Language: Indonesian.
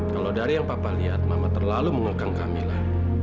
kalau dari yang papa lihat mama terlalu mengekang kamila